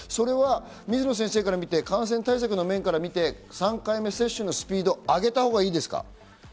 水野先生から見て、感染対策の面で３回目接種のスピードを上げたほうがいいですか？